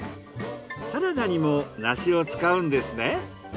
サラダにも梨を使うんですね。